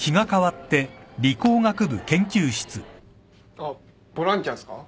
あっボランティアっすか？